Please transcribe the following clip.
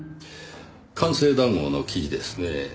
官製談合の記事ですねぇ。